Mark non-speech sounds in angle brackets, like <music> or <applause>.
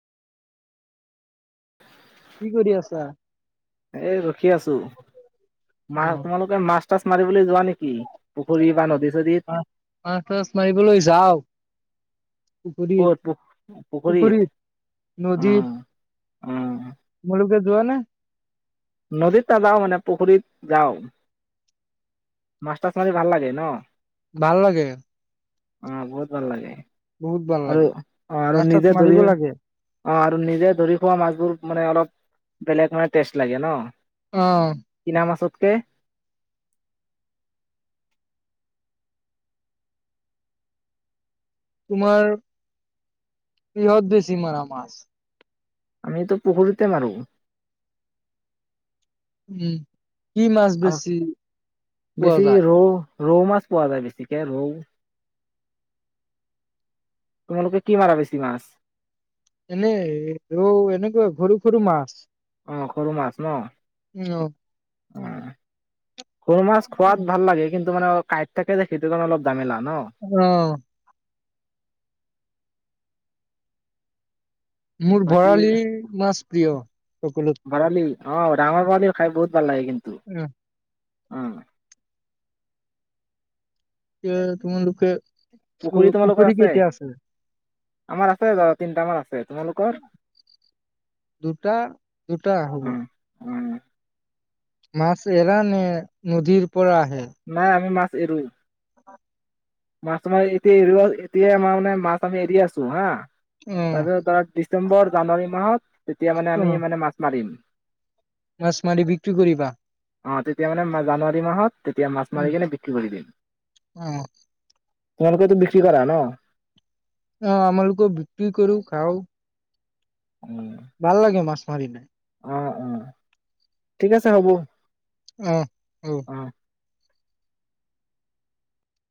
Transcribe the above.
কি কৰি আছা? এই ৰখি আছোঁ, মা উম, তোমালোকে মাছ-থাছ মাৰিবলৈ যোৱা নেকি, পুখুৰী বা মা নদী-চদীত? মাছ তাছ মাৰিবলৈ যাওঁ পুখুৰীত ক'ত পু পুখুৰীত। নদীত অহ। অহ। তোমালোকে কে যোৱা নে? নদীত নাযাওঁ মানে পুখুৰীত যাওঁ। মাছ-থাছ মাৰি ভাল লাগে ন? ভাল লাগে। অ' বহুত ভাল লাগে। বহুত ভাল আৰু লাগে। অ আৰু মাছ-থাছ নিজে ধৰি মাৰিব লাগে। অ আৰু নিজে ধৰি খোৱা মাছবোৰ মানে অলপ, বেলেগ মানে টেষ্ট লাগে ন। অহ। কে তোমাৰ, কিহত বেছি মৰা মাছ? আমিতো পুখুৰীতে মাৰো। উম। কি মাছ আৰু বেছি পোৱা বেছি যায়? ৰৌ ৰৌ মাছ পোৱা যায় বেছিকে, ৰৌ। তোমালোকে কি মাৰা বেছি মাছ? এনে ৰৌ, এনেকুৱা সৰু সৰু মাছ। অহ, সৰু মাছ ন। <unintelligible> <unintelligible> সৰু মাছ খোৱাত ভাল লাগে কিন মানে অ' কাইট থাকে যে সেইটো কাৰণে অলপ জামেলা ন। ও মোৰ বাকী বৰালি মাছ প্ৰিয় সকলোত ভৰালি অ ডাঙৰ বৰালি খাই বহুত ভাল লাগে কিন্তু অ', অ এয়া তোমালোকে পুখুৰী কেইতিয়া আছে? আমাৰ আছে ৰ তিনটামানা আছে। তোমালোকৰ দুটা দুটা হব। অ অ মাছ এৰা নে? নদীৰপ নাই আমি মাছ তেৰু। মাছ মাৰি এতিয়া এ এতিয়া আমাৰ মানে মাছ আমি এৰি আছো হা অ', তাৰপিছত তাৰ ডিচেম্বৰ-জানুৱাৰী মাহত তেতিয়া মানে আমি অ', মানে মাছ মাৰিম। মাছ মাৰি বিক্ৰী কৰিবা? অ' তেতিয়া মানে জানুৱাৰী মাহত তেতিয়া মাছ মাৰি অ', কেনে বিক্ৰী কৰি দিম। তোমালোকেতো বিক্ৰী কৰা ন? অ' আমালোকৰ বিক্ৰী কৰিও, খাও উম ভাল লাগে মাছ মাৰি <unintelligible> অ' অ' ঠিক আছে হ'ব। অ'হ অ'হ অ